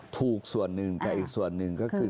ถูกส่วนหนึ่งแต่อีกส่วนหนึ่งก็คือ